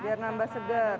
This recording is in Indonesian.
biar nambah segar